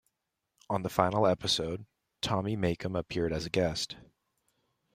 On the final episode, Tommy Makem appeared as a guest.